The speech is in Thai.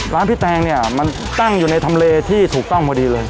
พี่แตงเนี่ยมันตั้งอยู่ในทำเลที่ถูกต้องพอดีเลย